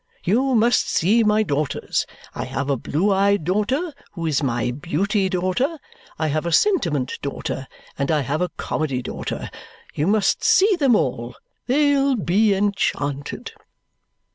You must see my daughters. I have a blue eyed daughter who is my Beauty daughter, I have a Sentiment daughter, and I have a Comedy daughter. You must see them all. They'll be enchanted."